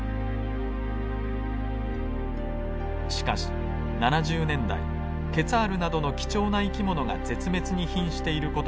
しかし７０年代ケツァールなどの貴重な生き物が絶滅に瀕している事が分かります。